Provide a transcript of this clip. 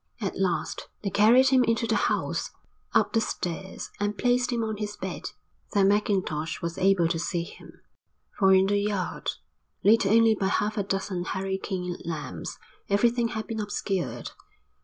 At last they carried him into the house, up the stairs, and placed him on his bed. Then Mackintosh was able to see him, for in the yard, lit only by half a dozen hurricane lamps, everything had been obscured.